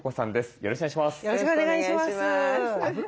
よろしくお願いします。